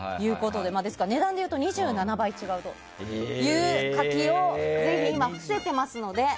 値段で言うと２７倍違うという柿を今、伏せてますので。